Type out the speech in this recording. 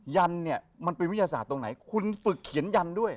ยันเนี่ยมันเป็นวิทยาศาสตร์ตรงไหนคุณฝึกเขียนยันด้วย